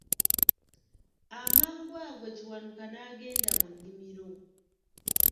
Amangu ago Kiwanuka n'agenda mu nnimiro.